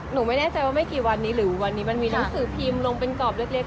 หนูไม่แน่ใจว่าไม่กี่วันนี้หรือวันนี้มันมีหนังสือพิมพ์ลงเป็นกรอบเล็ก